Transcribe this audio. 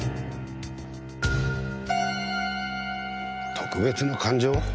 特別な感情？